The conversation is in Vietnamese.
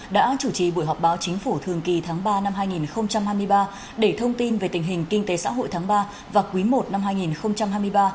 đã chủ trì buổi họp báo chính phủ thường kỳ tháng ba năm hai nghìn hai mươi ba để thông tin về tình hình kinh tế xã hội tháng ba và quý i năm hai nghìn hai mươi ba